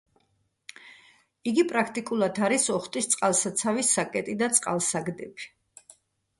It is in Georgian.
იგი პრაქტიკულად არის ოხტის წყალსაცავის საკეტი და წყალსაგდები.